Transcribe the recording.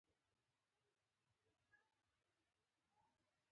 د چا زړه ورباندې اوبه نه څښي